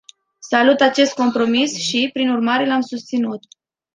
Salut acest compromis și, prin urmare, l-am susținut.